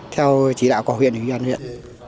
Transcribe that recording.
theo chỉ đạo của huyện ủy ban huyện